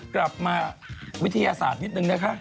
กลับมาวิทยาศาสตร์นิดนึงนะคะ